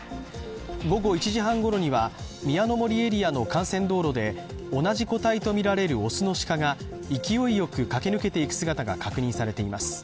午後１時半ごろには、宮の森エリアの幹線道路で同じ個体とみられる雄の鹿が勢いよく駆け抜けていく姿が確認されています。